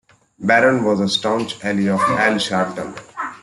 Barron was a staunch ally of Al Sharpton.